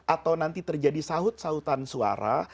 atau nanti terjadi sahut sahutan suara